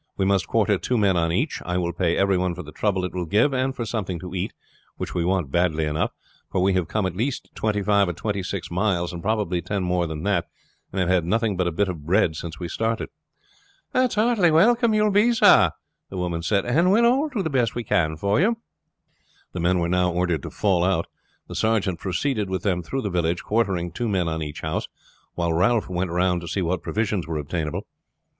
We must quarter two men on each. I will pay every one for the trouble it will give, and for something to eat, which we want badly enough, for we have come at least twenty five or twenty six miles, and probably ten more than that, and have had nothing but a bit of bread since we started." "It's heartily welcome you will be, sir," the woman said, "and we will all do the best we can for you." The men were now ordered to fall out. The sergeant proceeded with them through the village, quartering two men on each house, while Ralph went round to see what provisions were obtainable.